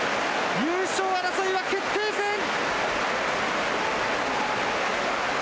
優勝争いは決定戦。